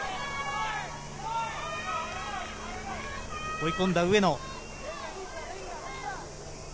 追い込んだ上野。